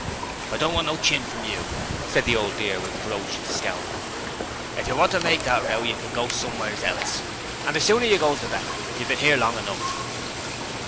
'I don't want no chin from you!' said the Old Dear with a ferocious scowl. 'If you want to make that row you can go somewheres else, and the sooner you goes the better. You've been 'ere long enough.'